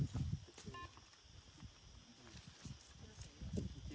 ไม่เอาแต่แบบนี้